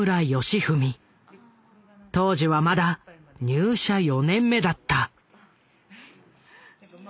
当時はまだ入社４年目だった。